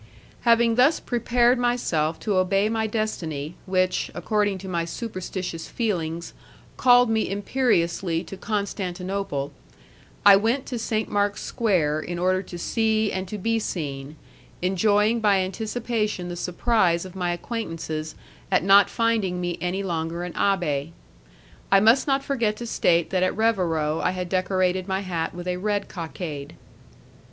Having thus prepared myself to obey my destiny, which, according to my superstitious feelings, called me imperiously to Constantinople, I went to St. Mark's Square in order to see and to be seen, enjoying by anticipation the surprise of my acquaintances at not finding me any longer an abbé. I must not forget to state that at Revero I had decorated my hat with a red cockade.